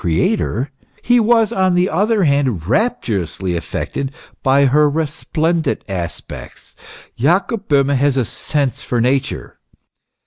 93 Creator, he was on the other hand rapturously affected by her resplendent aspects. Jacob Bohme has a sense for nature.